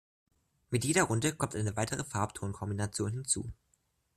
Mit jeder Runde kommt eine weitere Farb-Ton-Kombination hinzu.